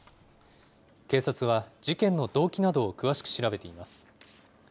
警察は事件の動機などを詳しく調べています。